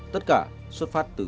tất cả xuất phát từ